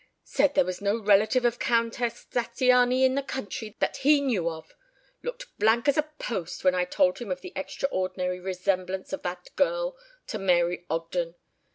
Said there was no relative of Countess Zattiany in the country that he knew of. Looked blank as a post when I told him of the extraordinary resemblance of that girl to Mary Ogden.